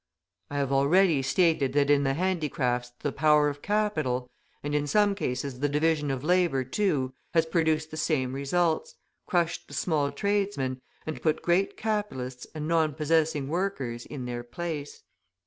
I have already stated that in the handicrafts the power of capital, and in some cases the division of labour too, has produced the same results, crushed the small tradesmen, and put great capitalists and non possessing workers in their place.